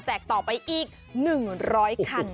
แจกต่อไปอีก๑๐๐คันค่ะ